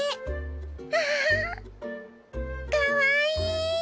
あぁかわいい。